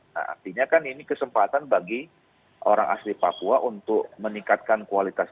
nah artinya kan ini kesempatan bagi orang asli papua untuk meningkatkan kualitas